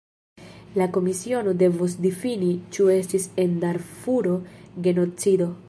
La komisiono devos difini, ĉu estis en Darfuro genocido.